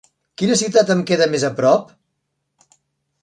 Quina ciutat em queda més aprop?